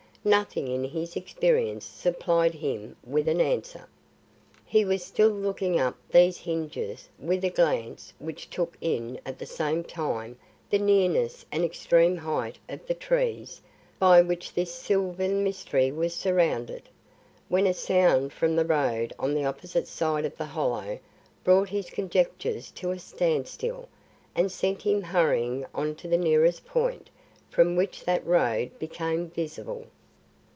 Nothing in his experience supplied him with an answer. He was still looking up at these hinges, with a glance which took in at the same time the nearness and extreme height of the trees by which this sylvan mystery was surrounded, when a sound from the road on the opposite side of the hollow brought his conjectures to a standstill and sent him hurrying on to the nearest point from which that road became visible.